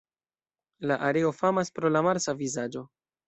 La areo famas pro la Marsa vizaĝo.